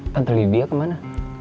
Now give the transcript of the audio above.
tante lydia kemana